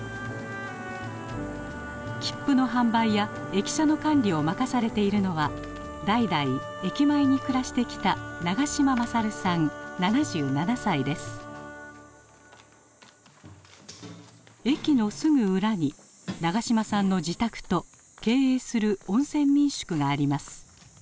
切符の販売や駅舎の管理を任されているのは代々駅前に暮らしてきた駅のすぐ裏に長嶋さんの自宅と経営する温泉民宿があります。